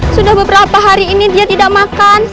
sudah beberapa hari ini dia tidak makan